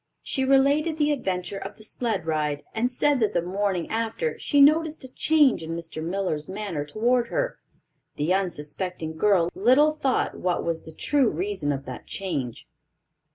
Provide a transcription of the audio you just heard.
She related the adventure of the sled ride, and said that the morning after she noticed a change in Mr. Miller's manner toward her. The unsuspecting girl little thought what was the true reason of that change.